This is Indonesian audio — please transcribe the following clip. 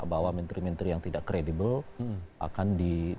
bahwa menteri menteri yang tidak kredibel akan di